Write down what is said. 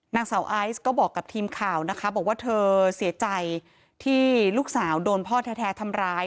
นางสาวไอซ์ก็บอกกับทีมข่าวนะคะบอกว่าเธอเสียใจที่ลูกสาวโดนพ่อแท้ทำร้าย